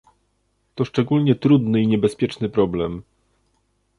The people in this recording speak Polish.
To szczególnie trudny i niebezpieczny problem